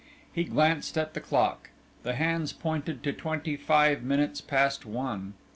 He glanced at the clock; the hands pointed to twenty five minutes past one.